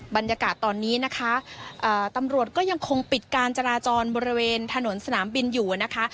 บรรยากาศตอนนี้นะคะตำรวจก็ยังคงปิดการจราจรบริเวณถนนสนามบินอยู่นะคะ